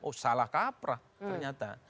oh salah kaprah ternyata